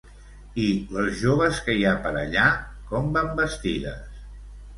I les joves que hi ha per allà com van vestides?